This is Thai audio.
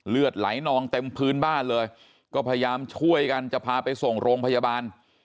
เลือดไหลนองเต็มพื้นบ้านเลยก็พยายามช่วยกันจะพาไปส่งโรงพยาบาล